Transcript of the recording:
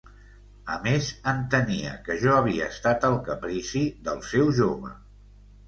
A més, entenia que jo havia estat el caprici del seu jove.